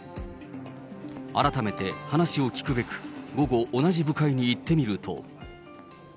改めて話を聞くべく、午後、同じ部会に行ってみると。